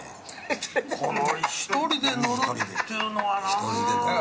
この一人で乗るっていうのはな。